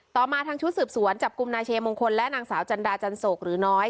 มาทางชุดสืบสวนจับกลุ่มนายเชมงคลและนางสาวจันดาจันโศกหรือน้อย